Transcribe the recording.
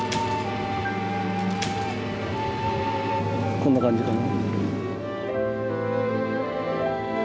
こんな感じかな。